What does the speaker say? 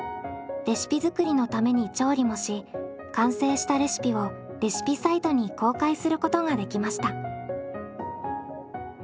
レシピ作りのために調理もし完成したレシピをレシピサイトに公開することができました。